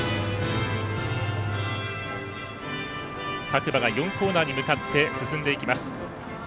各馬が４コーナーに向かって進んでいきます。